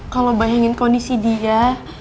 kalau bayangin kondisi dia